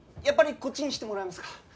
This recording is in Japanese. やっぱりこっちにしてもらえますか？